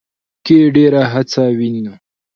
کې ډېره هڅه وينو